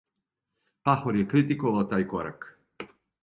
Пахор је критиковао тај корак.